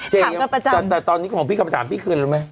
เจ๊ยังแต่ตอนนี้ผมพี่คำถามพี่คืนรู้ไหม